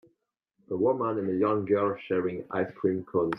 A woman and a young girl sharing ice cream cones.